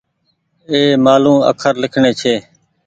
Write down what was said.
اي مآلون اکر لکڻي ڇي